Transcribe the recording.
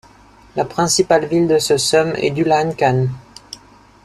La principale ville de ce sum est Dulaankhaan.